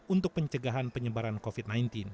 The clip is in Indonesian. untuk pencegahan penyebaran covid sembilan belas